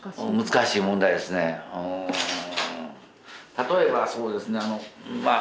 例えばそうですね